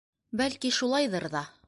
Бәлки шулайҙыр ҙа...